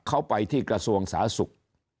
เขาไปที่กระทรวงสาธารณสุข